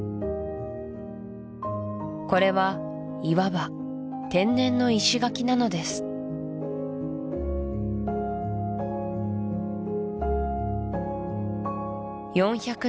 これはいわば天然の石垣なのです４００